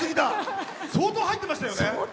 相当入ってましたよね！